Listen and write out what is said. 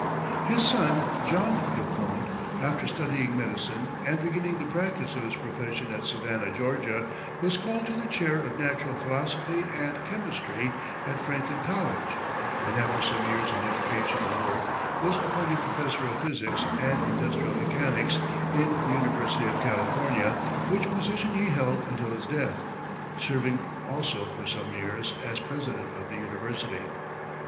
His son, John Le Conte, after studying medicine and beginning the practice of his profession at Savannah, Georgia, was called to the chair of natural philosophy and chemistry at Franklin College, and after some years in educational work, was appointed professor of physics and industrial mechanics in the University of California, which position he held until his death, serving also for some years as president of the University.